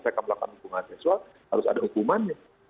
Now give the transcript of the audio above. mereka melakukan hubungan seksual harus ada hukumannya